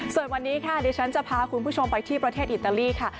ส่วนวันนี้ค่ะดิฉันจะพาคุณผู้ชมไปที่ประเทศอิตาลีค่ะ